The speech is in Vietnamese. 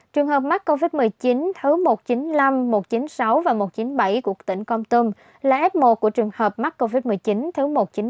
trường hợp mắc covid một mươi chín thứ một trăm chín mươi năm một trăm chín mươi sáu và một trăm chín mươi bảy của tỉnh con tâm là f một của trường hợp mắc covid một mươi chín thứ một trăm chín mươi ba